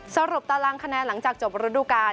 สรุปตารางคะแนนหลังจากจบฤดูกาล